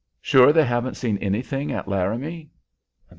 Sure they haven't seen anything at Laramie?"